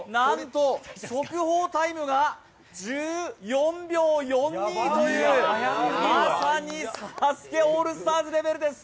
速報タイムが１４秒４２というまさに「ＳＡＳＵＫＥ」オールスターズレベルです。